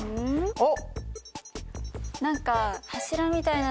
おっ！